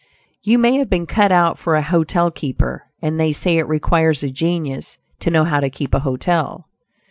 You may have been cut out for a hotel keeper, and they say it requires a genius to "know how to keep a hotel."